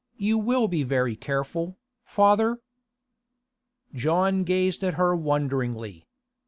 You will be very careful, father?' John gazed at her wonderingly.